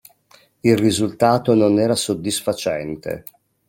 Il risultato non era soddisfacente.